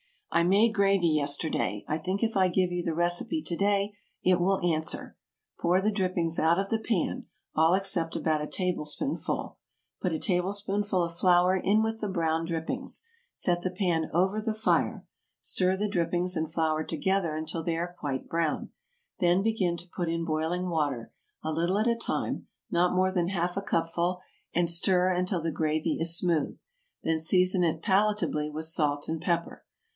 I made gravy yesterday; I think if I give you the recipe to day it will answer. Pour the drippings out of the pan, all except about a tablespoonful; put a tablespoonful of flour in with the brown drippings; set the pan over the fire; stir the drippings and flour together until they are quite brown; then begin to put in boiling water, a little at a time, not more than half a cupful, and stir until the gravy is smooth; then season it palatably with salt and pepper.